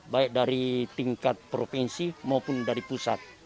baik dari tingkat provinsi maupun dari pusat